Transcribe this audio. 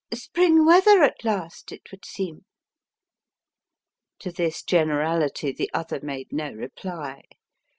Spring weather at last, it would seem." To this generality the other made no reply.